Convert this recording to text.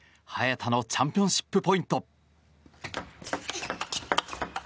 早田のチャンピオンシップポイント。